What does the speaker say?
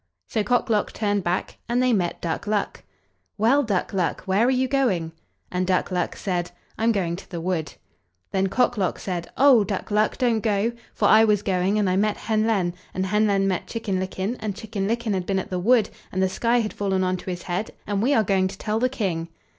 So Cock lock turned back, and they met Duck luck. "Well, Duck luck, where are you going?" And Duck luck said: "I'm going to the wood." Then Cock lock said: "Oh! Duck luck, don't go, for I was going, and I met Hen len, and Hen len met Chicken licken, and Chicken licken had been at the wood, and the sky had fallen on to his head, and we are going to tell the King."